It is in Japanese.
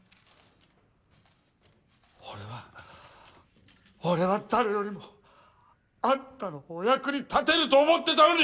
俺は俺は誰よりもあんたのお役に立てると思ってたのに！